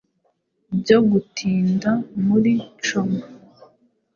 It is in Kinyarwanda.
byo gutinda muri coma